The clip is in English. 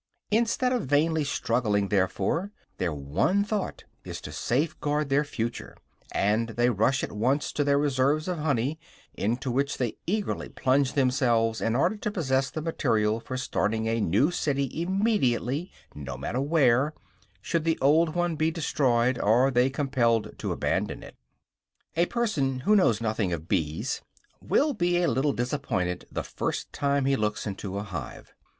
Instead of vainly struggling, therefore, their one thought is to safeguard their future; and they rush at once to their reserves of honey, into which they eagerly plunge themselves in order to possess the material for starting a new city immediately, no matter where, should the old one be destroyed or they compelled to abandon it. A person who knows nothing of bees will be a little disappointed the first time he looks into a hive.